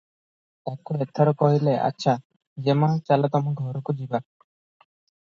ତାକୁ ଏଥର କହିଲେ- "ଆଚ୍ଛା, ଯେମା, ଚାଲ ତମ ଘରକୁ ଯିବା ।